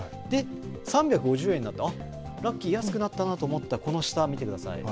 ３５０円なんだ、あっラッキー安くなったなと思ってこの下、見てください。